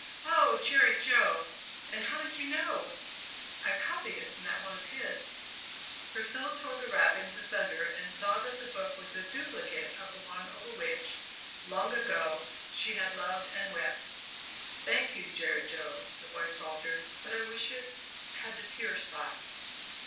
"Oh! Jerry Jo. And how did you know?" "I copied it from that one of his." Priscilla tore the wrappings asunder and saw that the book was a duplicate of the one over which, long ago, she had loved and wept. "Thank you, Jerry Jo," the voice faltered; "but I wish it had the tear spot."